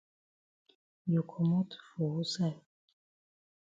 You komot for wusaid?